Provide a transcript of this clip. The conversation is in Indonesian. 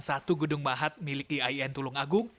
satu gedung mahat milik iain tulung agung